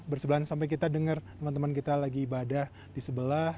bersebelahan sampai kita dengar teman teman kita lagi ibadah di sebelah